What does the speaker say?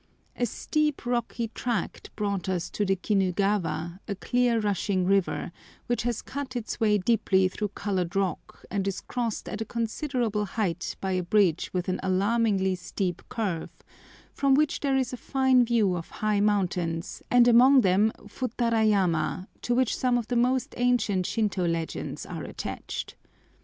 A steep rocky tract brought us to the Kinugawa, a clear rushing river, which has cut its way deeply through coloured rock, and is crossed at a considerable height by a bridge with an alarmingly steep curve, from which there is a fine view of high mountains, and among them Futarayama, to which some of the most ancient Shintô legends are attached.